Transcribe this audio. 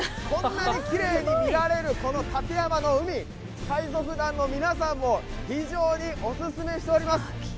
こんなにきれいに見られる館山の海、海賊団の皆さんも非常にお勧めしております。